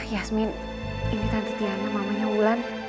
yasmin ini tante tiana mamanya ulan